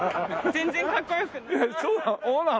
全然かっこよくない。